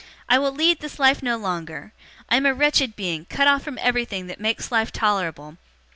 'I will lead this life no longer. I am a wretched being, cut off from everything that makes life tolerable.